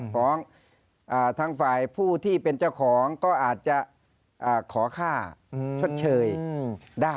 ฟ้องทางฝ่ายผู้ที่เป็นเจ้าของก็อาจจะขอค่าชดเชยได้